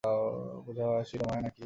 জয়া হাসিল, মায়া নাকি?